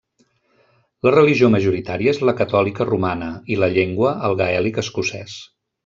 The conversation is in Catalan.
La religió majoritària és la catòlica romana, i la llengua el gaèlic escocès.